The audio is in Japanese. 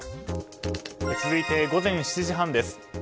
続いて午前７時半です。